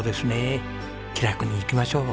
気楽にいきましょう。